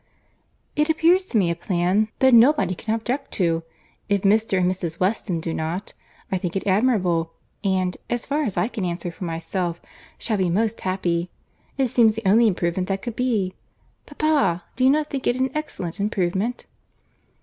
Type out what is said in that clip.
"It appears to me a plan that nobody can object to, if Mr. and Mrs. Weston do not. I think it admirable; and, as far as I can answer for myself, shall be most happy—It seems the only improvement that could be. Papa, do you not think it an excellent improvement?"